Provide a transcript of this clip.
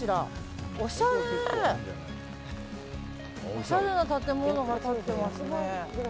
おしゃれな建物が立ってますね。